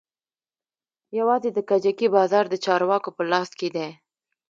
يوازې د کجکي بازار د چارواکو په لاس کښې دى.